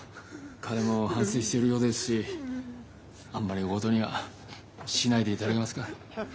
かれも反せいしてるようですしあんまりおおごとにはしないでいただけますか？